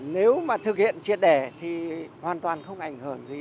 nếu mà thực hiện triệt đẻ thì hoàn toàn không ảnh hưởng gì